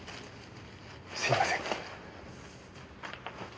すいません。